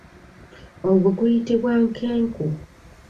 Ogwo guyitibwa nkenku.